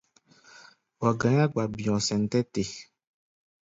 Wa gá̧í̧ gba-bi̧ɔ̧ sɛn tɛ́ te.